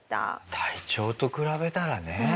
隊長と比べたらね。